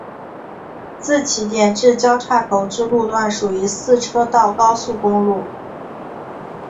自起点至交叉口之路段属于四车道高速公路。